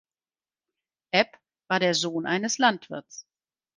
Epp war der Sohn eines Landwirts.